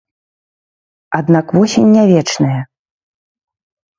Аднак восень не вечная.